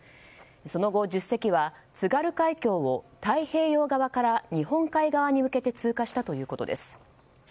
その後、１０隻は津軽海峡を太平洋側から日本海側に向けて通過したということです。